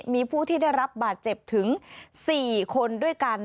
มีผู้ที่ได้รับบาดเจ็บถึง๔คนด้วยกัน